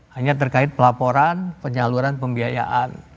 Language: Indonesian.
hanya terkait pelaporan penyaluran pembiayaan